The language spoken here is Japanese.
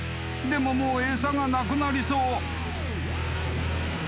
でももう餌がなくなりそう］